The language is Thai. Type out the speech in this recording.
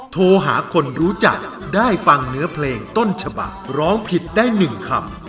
โทรหาคนรู้จักได้ฟังเนื้อเพลงต้นฉบักร้องผิดได้๑คำ